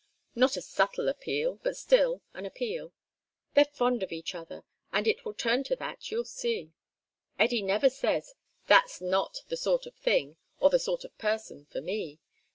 Not a subtle appeal, but still, an appeal. They're fond of each other, and it will turn to that, you'll see. Eddy never says, "That's not the sort of thing, or the sort of person, for me."